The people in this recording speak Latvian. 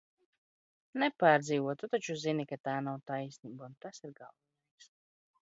Nepārdzīvo, Tu taču zini, ka tā nav taisnība, un tas ir galvenais!